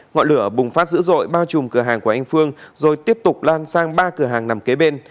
ngọn lửa bùng phát dữ dội bao trùm cửa hàng của anh phương rồi tiếp tục lan sang ba cửa hàng nằm kế bên